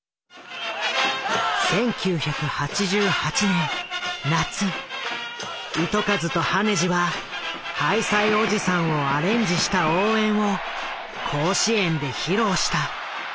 １９８８年夏糸数と羽地は「ハイサイおじさん」をアレンジした応援を甲子園で披露した。